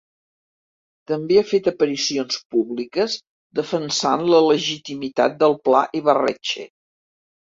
També ha fet aparicions públiques defensant la legitimitat del Pla Ibarretxe.